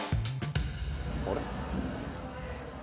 あれ？